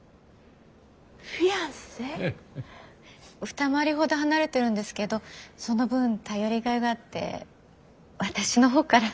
二回りほど離れてるんですけどその分頼りがいがあって私の方から。